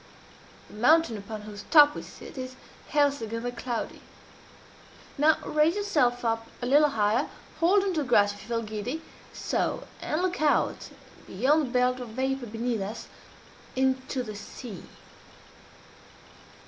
The mountain upon whose top we sit is Helseggen, the Cloudy. Now raise yourself up a little higher hold on to the grass if you feel giddy so and look out, beyond the belt of vapor beneath us, into the sea."